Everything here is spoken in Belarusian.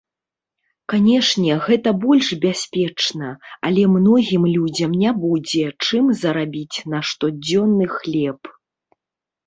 Канешне, гэта больш бяспечна, але многім людзям не будзе, чым зарабіць на штодзённы хлеб.